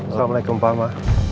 assalamualaikum pak ma